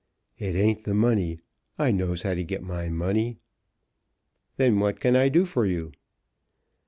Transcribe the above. "It ain't the money. I knows how to get my money." "Then what can I do for you?"